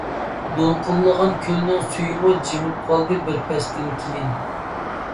دولقۇنلىغان كۆلنىڭ سۈيىمۇ، جىمىپ قالدى بىر پەستىن كىيىن.